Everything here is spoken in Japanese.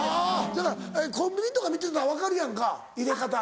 だからコンビニとか見てたら分かるやんか入れ方。